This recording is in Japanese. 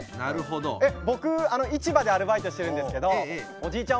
僕市場でアルバイトしてるんですけどおじいちゃん